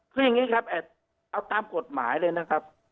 คืออย่างนี้ครับเอาตามกฎหมายเลยนะครับ